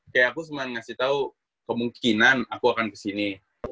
kayak aku cuma ngasih tau kemungkinan aku akan kesini